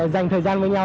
dành thời gian với nhau